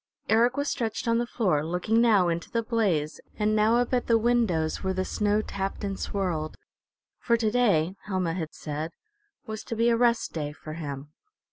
Eric was stretched on the floor, looking now into the blaze, and now up at the windows where the snow tapped and swirled; for to day, Helma had said, was to be a rest day for him.